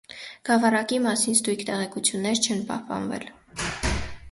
Գավառակի մասին ստույգ տեղեկություններ չեն պահպանվել։